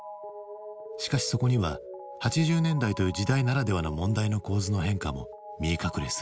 しかしそこには８０年代という時代ならではの問題の構図の変化も見え隠れする。